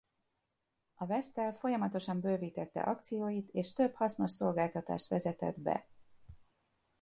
A Westel folyamatosan bővítette akcióit és több hasznos szolgáltatást vezetett be.